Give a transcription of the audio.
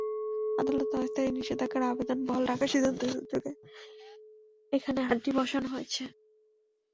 আদালত অস্থায়ী নিষেধাজ্ঞার আবেদন বহাল রাখার সিদ্ধান্তের সুযোগে এখানে হাটটি বসানো হয়েছে।